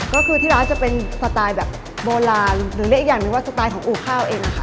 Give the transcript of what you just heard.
ก็คือที่ร้านจะเป็นสไตล์แบบโบราณหรือเรียกอีกอย่างหนึ่งว่าสไตล์ของอู่ข้าวเองนะคะ